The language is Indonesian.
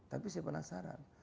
tapi saya penasaran